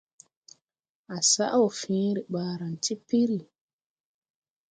À saʼ wɔ fẽẽre ɓaaran ti piri.